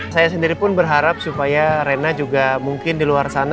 saya sendiri pun berharap supaya rena juga mungkin di luar sana